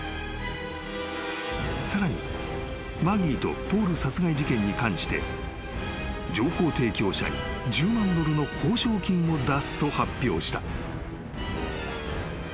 ［さらにマギーとポール殺害事件に関して情報提供者に１０万ドルの報奨金を出すと発表した］